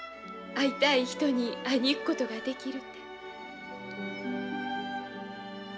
会いたい人に会いに行くことができる。